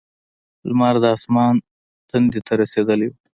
لمر د اسمان تندي ته رسېدلی و.